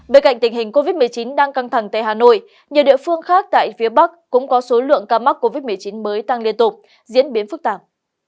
bên cạnh tình hình covid một mươi chín đang căng thẳng tại hà nội nhiều địa phương khác tại phía bắc cũng có số lượng ca mắc covid một mươi chín mới tăng liên tục diễn biến phức tạp